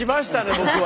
僕は。